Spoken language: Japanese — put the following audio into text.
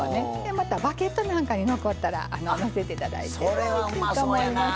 またバゲットなんかに残ったらのせて頂いてもおいしいと思います。